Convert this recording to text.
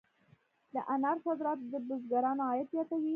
د انارو صادرات د بزګرانو عاید زیاتوي.